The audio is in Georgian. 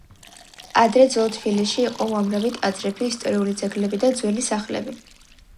ადრე ძველ თბილისში იყო უამრავი ტაძრები, ისტორიული ძეგლები და ძველი სახლები